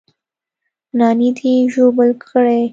نانى دې ژوبل کړى.